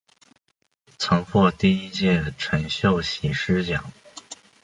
曾获第一届陈秀喜诗奖。